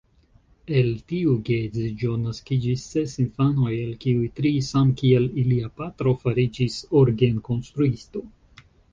El tiu geedziĝo naskiĝis ses infanoj, el kiuj tri samkiel ilia patro fariĝis orgenkonstruisto.